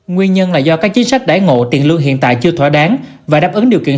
nguyên nhân là do các chính sách đáy ngộ tiền lương hiện tại chưa thỏa đáng và đáp ứng điều kiện